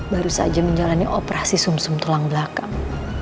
baru saja menjalani operasi sum sum tulang belakang